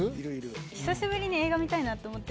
久しぶりに映画見たいと思って。